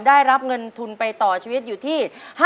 ได้รับเงินทุนไปต่อชีวิตอยู่ที่